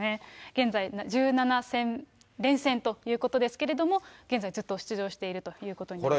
現在、１７戦連戦ということですけれども、現在、ずっと出場しているということになります。